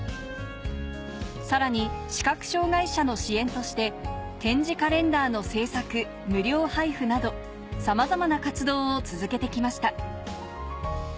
さらに視覚障がい者の支援として点字カレンダーの製作無料配布などさまざまな活動を続けて来ました